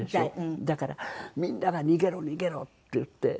だからみんなが逃げろ逃げろって言って。